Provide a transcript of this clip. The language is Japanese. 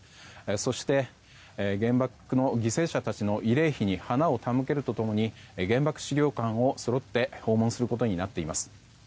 そして、原爆の犠牲者たちの慰霊碑に花を手向けるとともに原爆資料館をそろって訪問することになっています。